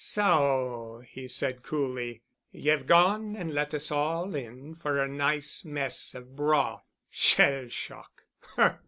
"So," he said coolly, "ye've gone and let us all in for a nice mess of broth! Shell shock!